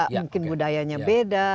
mungkin budayanya beda